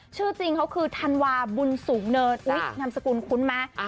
ชื่อจริงเขาคือธันวาบุญสูงเนินอุ๊ยนามสกุลคุ้นไหม